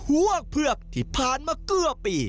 ห่วงเผือกที่ผ่านมาเกลือปี